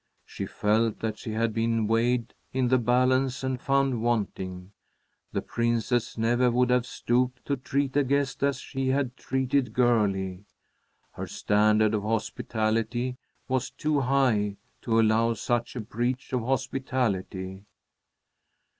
She felt that she had been weighed in the balance and found wanting. The Princess never would have stooped to treat a guest as she had treated Girlie. Her standard of hospitality was too high to allow such a breach of hospitality.